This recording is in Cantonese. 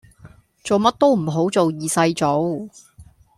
做乜都唔好做二世祖